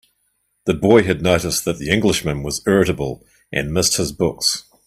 The boy had noticed that the Englishman was irritable, and missed his books.